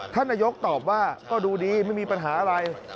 ท่านนายกตอบว่าก็ดูดีไม่มีปัญหาอะไร